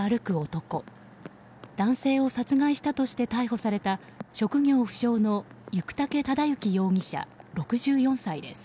男性を殺害したとして逮捕された職業不詳の行武忠幸容疑者、６４歳です。